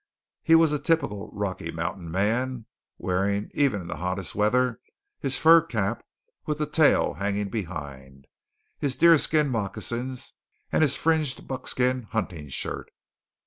He was a typical Rocky Mountain man, wearing even in the hottest weather his fur cap with the tail hanging behind, his deerskin moccasins, and his fringed buckskin hunting shirt.